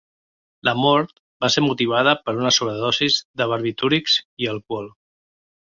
La mort va ser motivada per una sobredosi de barbitúrics i alcohol.